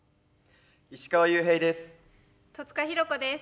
石川裕平です。